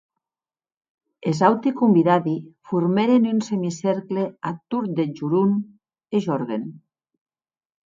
Es auti convidadi formèren un semicercle ath torn de Jorun e Jorgen.